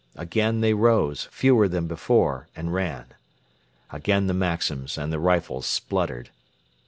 Again they rose, fewer than before, and ran. Again the Maxims and the rifles spluttered.